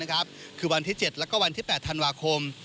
เป็นเวลา๒วันนะครับคือวันที่๗และวันที่๘ธันวาคม